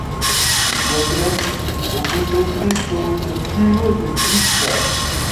Se encuentran comúnmente como reactivo de Grignard.